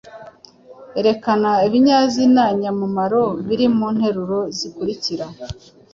Erekana ibinyazina nyamubaro biri mu nteruro zikurikira